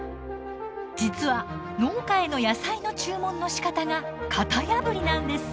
実は農家への野菜の注文のしかたが型破りなんです。